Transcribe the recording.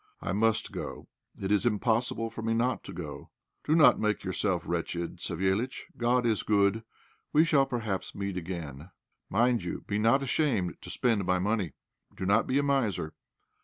"I must go; it is impossible for me not to go. Do not make yourself wretched, Savéliitch. God is good; we shall perhaps meet again. Mind you be not ashamed to spend my money; do not be a miser.